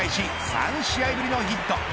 ３試合ぶりのヒット。